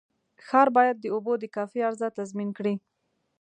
ښار باید د اوبو د کافي عرضه تضمین کړي.